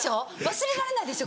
忘れられないでしょ